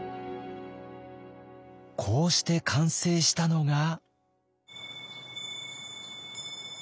こうして完成したのが。